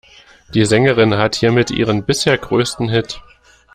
Die Sängerin hat hiermit ihren bisher größten Hit.